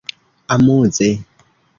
amuze